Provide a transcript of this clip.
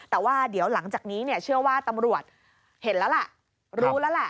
แต่ว่าเดี๋ยวหลังจากนี้เนี่ยเชื่อว่าตำรวจเห็นแล้วล่ะรู้แล้วแหละ